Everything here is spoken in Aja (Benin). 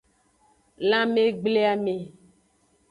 Lanmegbleame.